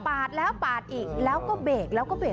แล้วปาดอีกแล้วก็เบรกแล้วก็เบรก